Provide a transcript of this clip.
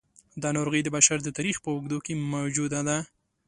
دا ناروغي د بشر د تاریخ په اوږدو کې موجوده ده.